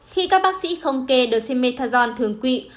khi các bác sĩ không kê dexamethasone thường quỵ